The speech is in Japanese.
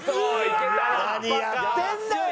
何やってんだよ！